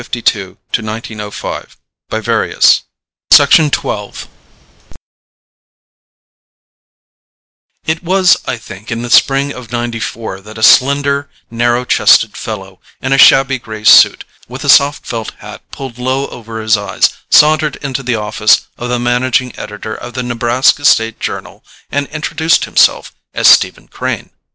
The Courier, April 7, 1900 When I Knew Stephen Crane It was, I think, in the spring of '94 that a slender, narrow chested fellow in a shabby grey suit, with a soft felt hat pulled low over his eyes, sauntered into the office of the managing editor of the Nebraska State Journal and introduced himself as Stephen Crane.